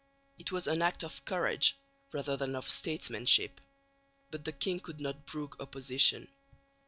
It was an act of courage rather than of statesmanship, but the king could not brook opposition.